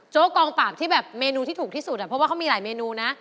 กองปราบที่แบบเมนูที่ถูกที่สุดเพราะว่าเขามีหลายเมนูนะ